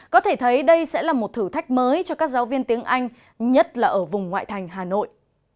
có thể thấy đây sẽ là một thử thách mới cho các giáo viên tiếng anh nhất là ở vùng ngoại thành hà nội